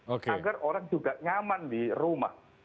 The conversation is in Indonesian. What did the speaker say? agar orang juga nyaman di rumah